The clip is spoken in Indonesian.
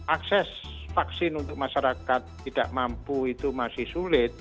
akses vaksin untuk masyarakat tidak mampu itu masih sulit